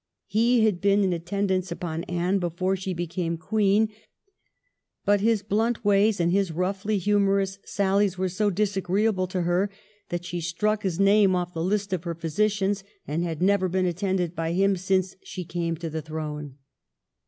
He had been in attendance upon Anne before she became Queen, but his blunt ways and his roughly humorous saUies were so disagreeable to her that she struck his name off the list of her physicians, and had never been attended by him since she came to the throne.